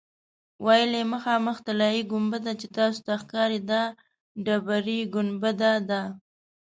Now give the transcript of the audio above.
ویل یې مخامخ طلایي ګنبده چې تاسو ته ښکاري دا ډبرې ګنبده ده.